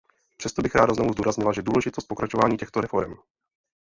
Přesto bych ráda znovu zdůraznila důležitost pokračování těchto reforem.